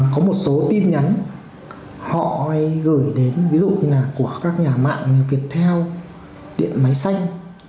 có một số tin nhắn họ gửi đến ví dụ như là của các nhà mạng như viettel điện máy xanh